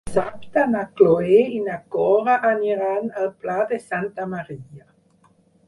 Dissabte na Cloè i na Cora aniran al Pla de Santa Maria.